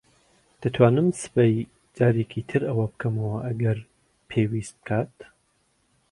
دەتوانم سبەی جارێکی تر ئەوە بکەمەوە ئەگەر پێویست بکات.